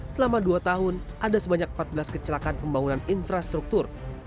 selama dua tahun ada sebanyak empat belas kecelakaan pembangunan infrastruktur